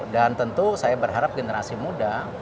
dan tentu saya berharap generasi muda